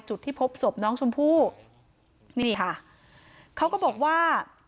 จุดที่พบศพน้องชมพู่นี่ค่ะเขาก็บอกว่า